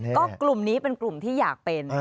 ก็กลุ่มนี้เป็นกลุ่มที่อยากเป็น